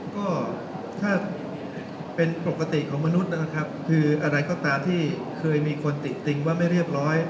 ก็ถ้าเป็นปกติของมนุษย์นะครับคืออะไรก็ตามที่เคยมีคนติดติงว่าไม่เรียบร้อย